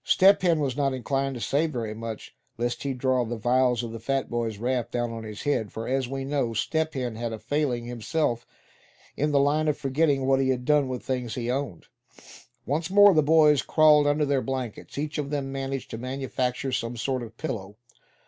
Step Hen was not inclined to say very much, lest he draw the vials of the fat boy's wrath down on his own head; for as we know, Step Hen had a failing himself in the line of forgetting what he had done with things he owned. Once more the boys crawled under their blankets. Each of them had managed to manufacture some sort of a pillow.